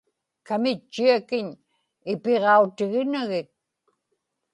kamitchiakiñ ipiġautiginagik